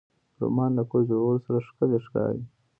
رومیان له کور جوړو سره ښکلي ښکاري